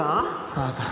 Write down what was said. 母さん。